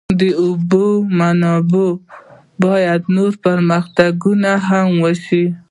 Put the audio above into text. د اوبو په منابعو باندې نور پرمختګونه هم وشول.